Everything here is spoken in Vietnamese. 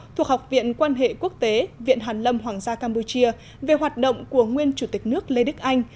thuộc học viện quan hệ quốc tế viện hàn lâm hoàng gia campuchia về hoạt động của nguyên chủ tịch nước lê đức anh